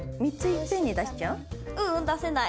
ううん出せない。